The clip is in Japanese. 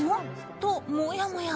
と、もやもや。